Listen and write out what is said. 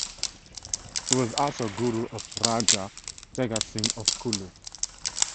He was also guru of Raja Jagat Singh of Kullu.